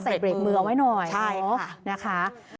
เบรกมือเอาไว้หน่อยนะคะ